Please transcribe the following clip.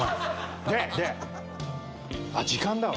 あっ時間だわ。